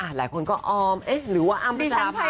หลายคนก็ออมหรือว่าอ้ำประชาภาพแฟนเก่า